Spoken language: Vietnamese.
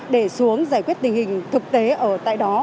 để xuống giải quyết tình hình thực tế ở tại đó